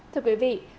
thưa quý vị